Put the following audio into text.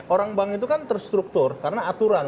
orang bank itu kan terstruktur karena aturan